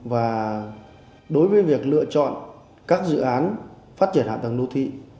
và đối với việc lựa chọn các dự án phát triển hạ tầng đô thị